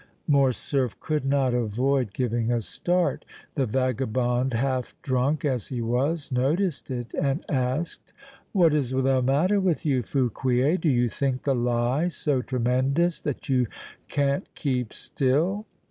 Morcerf could not avoid giving a start. The vagabond, half drunk as he was, noticed it and asked: "What is the matter with you, Fouquier? Do you think the lie so tremendous that you can't keep still?"